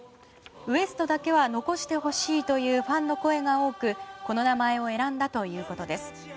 ＷＥＳＴだけは残してほしいというファンの声が多くこの名前を選んだということです。